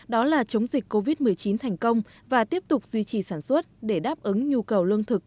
đó là chống dịch covid một mươi chín thành công và tiếp tục duy trì sản xuất để đáp ứng nhu cầu lương thực